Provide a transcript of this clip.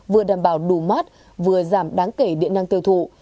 vừa đảm bảo đủ mát vừa giảm đáng kể điện năng tiêu thụ